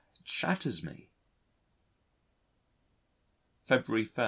It shatters me. February 1.